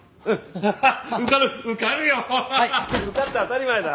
受かって当たり前だ。